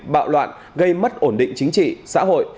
bạo loạn gây mất ổn định chính trị xã hội